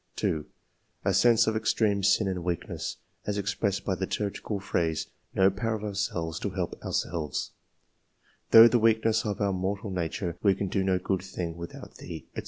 2. A sense of extreme sin and weakness, as ex pressed by the liturgical phrases, " No power of ourselves to help ourselves," "Through the weak ness of our mortal nature we can do no good thing without Thee," &c.